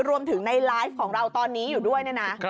รวมถึงในไลฟ์ของเราตอนนี้อยู่ด้วยนะ